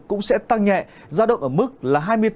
cũng sẽ tăng nhẹ ra động ở mức là